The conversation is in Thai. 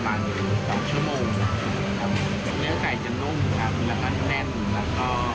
ต่อมาตอนนั้นเริ่มจะแน่นใช้เวลาในการเลี้ยงประมาณ๔๖เหรียญ